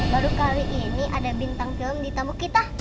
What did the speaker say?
baru kali ini ada bintang film di tamu kita